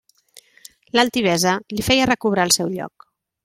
L'altivesa li feia recobrar el seu lloc.